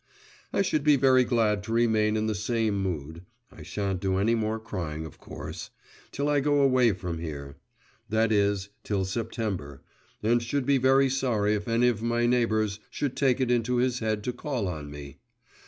I should be very glad to remain in the same mood (I shan't do any more crying, of course) till I go away from here; that is, till September, and should be very sorry if any of my neighbours should take it into his head to call on me.